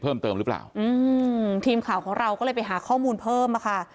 เพิ่มเติมหรือเปล่าอืมทีมข่าวของเราก็เลยไปหาข้อมูลเพิ่มมาค่ะ